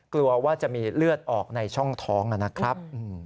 กลัวว่าจะมีเลือดออกในช่องท้องนะครับ